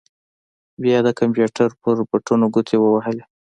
بيا يې د کمپيوټر پر بټنو ګوتې ووهلې.